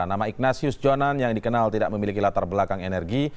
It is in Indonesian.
nama ignatius jonan yang dikenal tidak memiliki latar belakang energi